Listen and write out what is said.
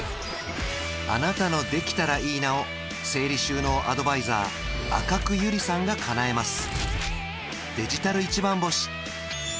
あなたの「できたらいいな」を整理収納アドバイザー赤工友里さんがかなえます